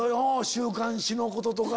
週刊誌のこととか。